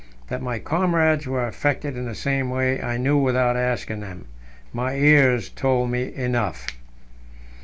That my comrades were affected in the same way, I knew without asking them; my ears told me enough.